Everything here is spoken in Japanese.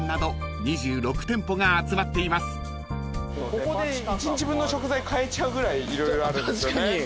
ここで１日分の食材買えちゃうぐらい色々あるんですよね。